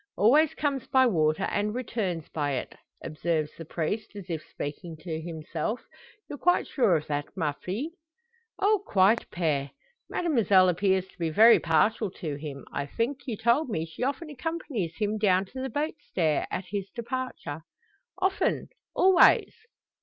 "Always comes by water, and returns by it," observes the priest, as if speaking to himself. "You're quite sure of that, ma fille?" "Oh, quite, Pere!" "Mademoiselle appears to be very partial to him. I think, you told me she often accompanies him down to the boat stair, at his departure?" "Often! always."